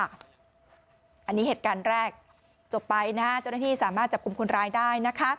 อันนี้เหตุการณ์แรกจบไปนะเจ้าหน้าที่สามารถจับกลุ่มคนร้ายได้นะคะ